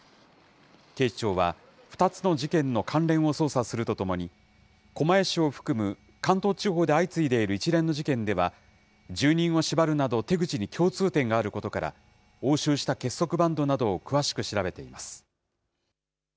警視庁は、２つの事件の関連を捜査するとともに、狛江市を含む関東地方で相次いでいる一連の事件では、住人を縛るなど手口に共通点があることから、押収した結束バンドなどを詳しく調べています。